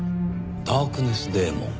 ダークネスデーモン？